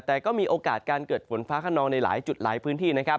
แต่ก็มีโอกาสการเกิดฝนฟ้าขนองในหลายจุดหลายพื้นที่นะครับ